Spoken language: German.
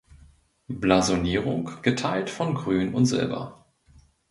Blasonierung: „Geteilt von Grün und Silber.